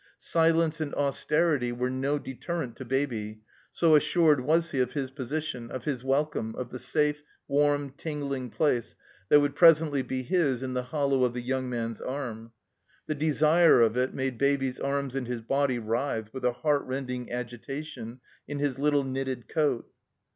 Silence and austerity were no deterrent to Baby, so assured was he of his position, of his wel come, of the safe, warm, tingling place that would presently be his in the hollow of the young man's arm. The desire of it made Baby's arms and his body writhe, with a heartrending agitation, in his little knitted coat.